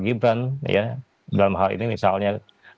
gibran ya dalam hal ini misalnya